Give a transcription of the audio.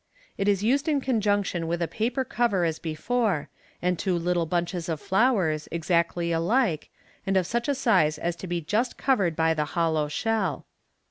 It is used in conjunction with a paper cover as before, and two little bunches of flowers, exactly alike, and of such a size as to be just covered by the hollow shell.